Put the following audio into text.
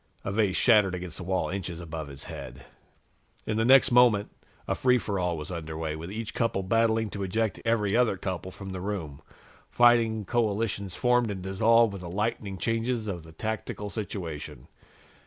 A vase shattered against the wall, inches above his head. In the next moment, a free for all was under way, with each couple battling to eject every other couple from the room. Fighting coalitions formed and dissolved with the lightning changes of the tactical situation.